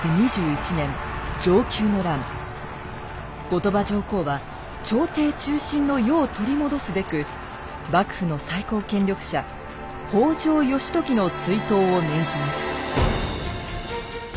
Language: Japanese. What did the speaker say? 後鳥羽上皇は朝廷中心の世を取り戻すべく幕府の最高権力者北条義時の追討を命じます。